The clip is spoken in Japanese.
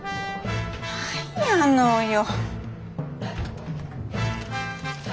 何やのよ。